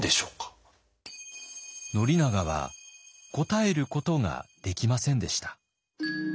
宣長は答えることができませんでした。